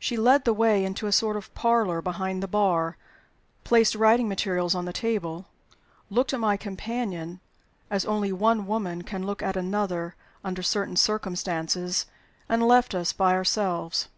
She led the way into a sort of parlor behind the "bar," placed writing materials on the table, looked at my companion as only one woman can look at another under certain circumstances, and left us by ourselves.